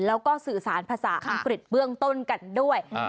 แล้วก็สื่อสารภาษาอังกฤษเบื้องต้นกันด้วย